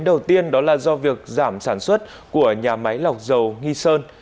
đầu tiên đó là do việc giảm sản xuất của nhà máy lọc dầu nghi sơn